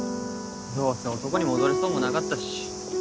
どうせ男に戻れそうもなかったし。